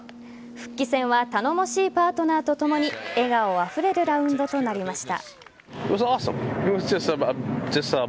復帰戦は頼もしいパートナーとともに笑顔あふれるラウンドとなりました。